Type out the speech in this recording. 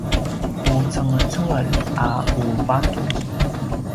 qucengecengel a u vatu